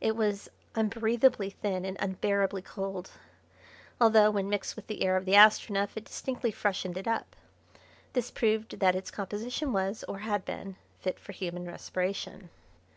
It was unbreathably thin and unbearably cold, although, when mixed with the air of the Astronef, it distinctly freshened it up. This proved that its composition was, or had been, fit for human respiration.